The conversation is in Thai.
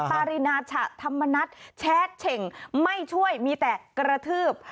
ปารินาชะธรรมนัฐแชทเฉ่งไม่ช่วยมีแต่กระทืบ